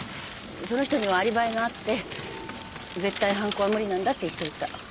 その人にはアリバイがあって絶対犯行は無理なんだって言っといた。